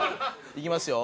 いきますよ。